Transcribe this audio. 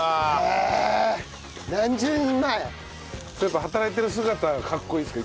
やっぱ働いてる姿かっこいいですか？